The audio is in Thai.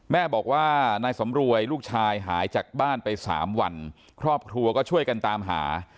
แม่บอกว่านายสำรวยลูกชายหายจากบ้านไปสามวันครอบครัวก็ช่วยกันตามหา